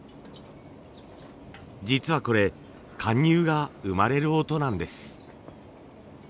実はこれ貫入が生まれる音なんです。